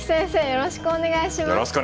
よろしくお願いします！